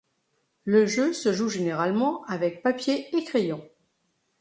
Le jeu se joue généralement avec papier et crayon.